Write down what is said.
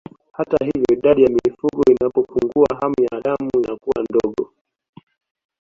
Hata hivyo idadi ya mifugo inapopungua hamu ya damu inakuwa ndogo